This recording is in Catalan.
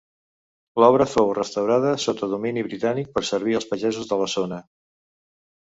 L'obra fou restaurada sota domini britànic per servir als pagesos de la zona.